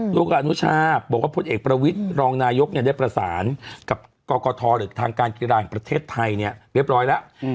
ลูกอนุชาบอกว่าพลเอกประวิทย์รองนายกได้ประสานกับกรกฐหรือทางการกีฬาแห่งประเทศไทยเนี่ยเรียบร้อยแล้ว